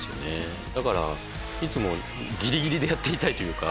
だからいつもギリギリでやっていたいというか。